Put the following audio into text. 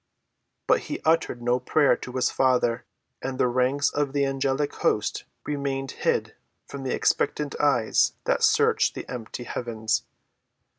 But he uttered no prayer to his Father, and the ranks of the angelic host remained hid from the expectant eyes that searched the empty heavens.